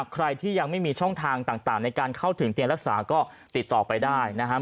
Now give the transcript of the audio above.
ใครที่ยังไม่มีช่องทางต่างในการเข้าถึงเตียงรักษาก็ติดต่อไปได้นะครับ